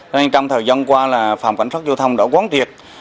nên trong thời gian qua là phòng cảnh sát giao thông đã quán triệt